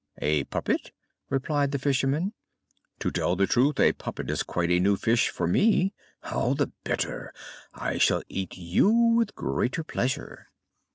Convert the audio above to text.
"A puppet?" replied the fisherman. "To tell the truth, a puppet is quite a new fish for me. All the better! I shall eat you with greater pleasure."